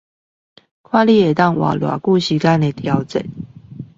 看你能夠活多久時間的挑戰